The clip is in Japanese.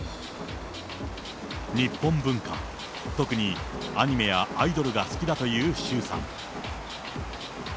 日本文化、特にアニメやアイドルが好きだという周さん。